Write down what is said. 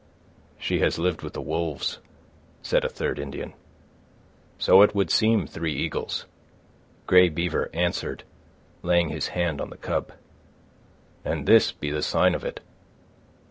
"She has lived with the wolves," said a third Indian. "So it would seem, Three Eagles," Grey Beaver answered, laying his hand on the cub; "and this be the sign of it."